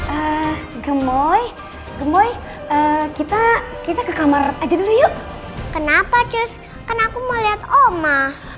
eh gemboy gemboy kita ke kamar aja dulu yuk kenapa cus kan aku mau lihat oma